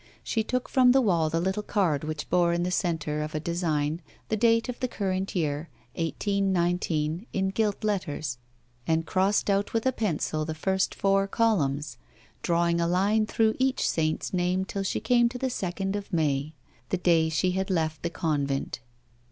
She took from the wall the little card which bore in tlie centre of a design, the date of the current year 181'J in gilt letters, and crossed out ■\vitii a pencil the first four columns, drawing a line through each 6 A WOMAN'S LIFE. saint's name till slie came to the second of May, the day she had left the convent.